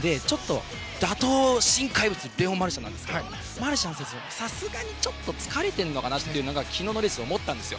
打倒・新怪物レオン・マルシャンなんですがマルシャン選手、さすがにちょっと疲れているのかなというのを昨日のレースで思ったんですよ。